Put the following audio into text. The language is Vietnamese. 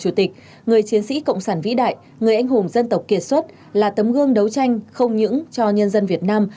chủ tịch người chiến sĩ cộng sản vĩ đại người anh hùng dân tộc kiệt xuất là tấm gương đấu tranh không những cho nhân dân việt nam